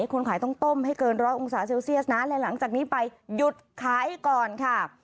คนขายต้องต้มให้เกินร้อยองศาเซลเซียสนะและหลังจากนี้ไปหยุดขายก่อนค่ะ